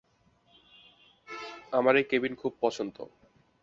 আমার এই কেবিন খুব পছন্দ।